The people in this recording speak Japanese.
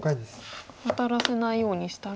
ワタらせないようにしたら？